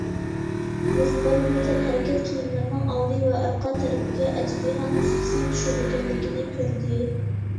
مۇخبىر بۇ تەنھەرىكەت كىيىملىرىنىڭ ئالدى ۋە ئارقا تەرىپىگە ئەجدىھا نۇسخىسى چۈشۈرۈلگەنلىكىنى كۆردى.